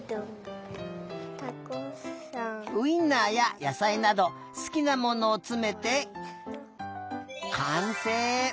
ウインナーややさいなどすきなものをつめてかんせい！